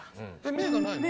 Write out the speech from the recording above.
冥がないの？